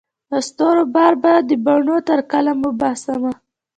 د ستورو بار به د بڼو تر قلم وباسمه